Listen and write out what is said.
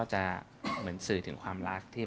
จะเหมือนสื่อถึงความรักที่